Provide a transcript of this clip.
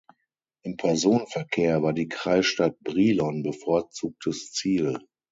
Im Personenverkehr war die Kreisstadt Brilon bevorzugtes Ziel.